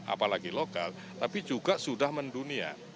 apalagi lokal tapi juga sudah mendunia